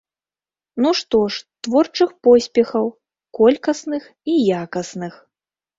Ну што ж, творчых поспехаў, колькасных і якасных!